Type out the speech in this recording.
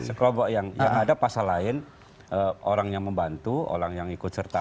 sekelompok yang ada pasal lain orang yang membantu orang yang ikut serta